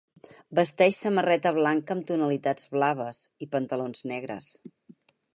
Vesteix samarreta blanca amb tonalitats blaves, i pantalons negres.